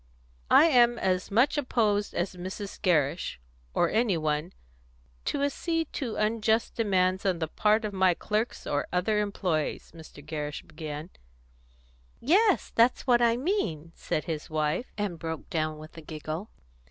"I am as much opposed as Mrs. Gerrish or any one to acceding to unjust demands on the part of my clerks or other employees," Mr. Gerrish began. "Yes, that's what I mean," said his wife, and broke down with a giggle.